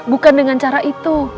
bukan dengan cara itu